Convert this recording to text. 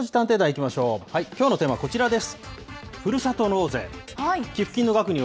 きょうのテーマはこちらです。